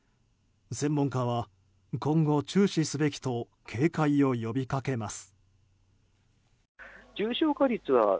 専門家は今後、注視すべきと警戒を呼びかけます。